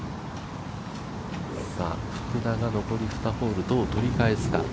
福田が残り２ホール、どう取り返すか。